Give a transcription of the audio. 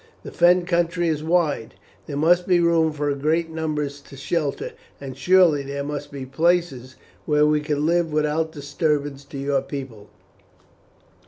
The Fen country is wide, there must be room for great numbers to shelter, and surely there must be places where we could live without disturbance to your people."